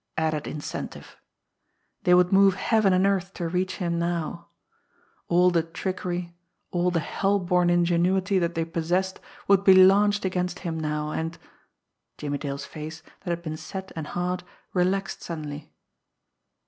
Added incentive! They would move heaven and earth to reach him now! All the trickery, all the hell born ingenuity that they possessed would be launched against him now, and Jimmie Dale's face, that had been set and hard, relaxed suddenly.